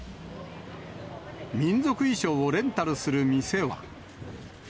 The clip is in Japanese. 民族衣装をレンタルする店は。